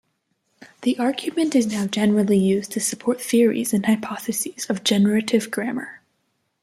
The argument is now generally used to support theories and hypotheses of generative grammar.